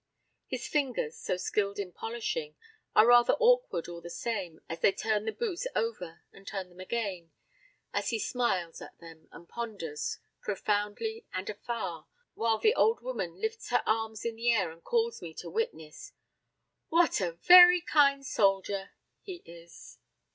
His fingers, so skilled in polishing, are rather awkward all the same as they turn the boots over and turn them again, as he smiles at them and ponders profoundly and afar while the old woman lifts her arms in the air and calls me to witness "What a very kind soldier!" he is.